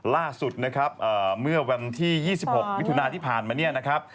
ล่าสุดเมื่อวันที่๒๖วิธุนาที่ผ่านมา